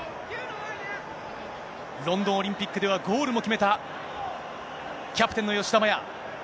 ロンドンオリンピックではゴールも決めた、キャプテンの吉田麻也。